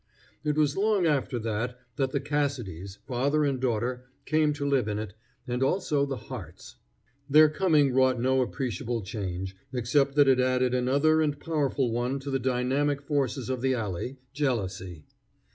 It was long after that that the Cassidys, father and daughter, came to live in it, and also the Harts. Their coming wrought no appreciable change, except that it added another and powerful one to the dynamic forces of the alley jealousy.